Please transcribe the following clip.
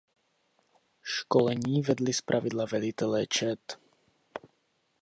Školení vedli zpravidla velitelé čet.